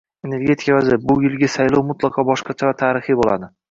Energetika vaziri: “Bu yilgi saylov mutlaqo boshqacha va tarixiy bo‘ladi”